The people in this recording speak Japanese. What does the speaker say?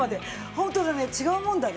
本当だね違うもんだね。